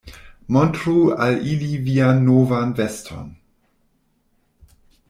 Montru al ili vian novan veston.